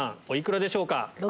お幾らでしょうか？